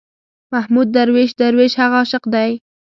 محمود درویش، درویش هغه عاشق دی.